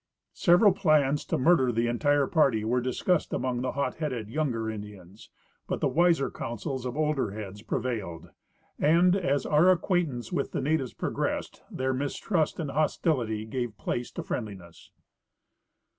Several plans to murder the entire party were discussed among the hot headed younger Indians, but the Aviser counsels of older heads preA'ailed, and as our acquaintance Avith the natives progressed their mistrust and hostility gave place to friendliness.